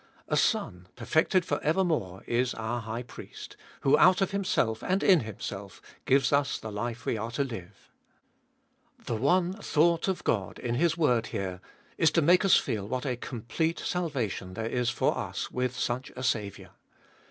A Son, perfected for evermore, Is our High Priest, who out of Himself and in Himself gives us the life we are to Hue. 3. The one thought of God In His word here is to make us feel what a complete salvation there Is for us with such a Saviour.